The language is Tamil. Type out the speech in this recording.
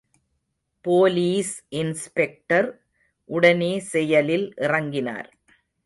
போலீஸ் இன்ஸ்பெக்டர் உடனே செயலில் இறங்கினார்.